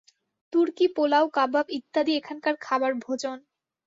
তুর্কী পোলাও কাবাব ইত্যাদি এখানকার খাবার ভোজন।